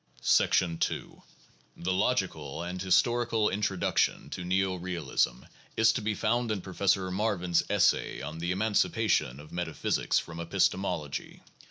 II The logical and historical introduction to neo realism is to be found in Professor Marvin's essay on "The Emancipation of Meta physics from Epistemology."